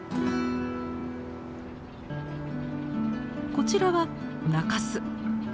こちらは中州。